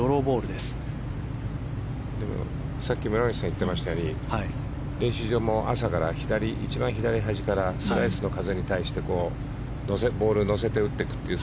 でも、さっき村口さんが言っていましたように練習場も朝から一番左端からスライスの風に対してボールを乗せて打っていくという